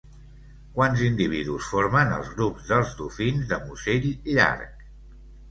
Quants individus formen els grups dels dofins de musell llarg?